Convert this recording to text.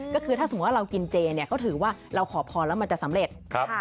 ก็คือถ้าสมมุติว่าเรากินเจเนี่ยเขาถือว่าเราขอพรแล้วมันจะสำเร็จ